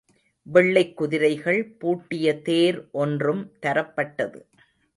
வெள்ளைக் குதிரைகள் பூட்டிய தேர் ஒன்றும் தரப்பட்டது.